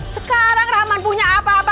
sekarang rahman punya apa apa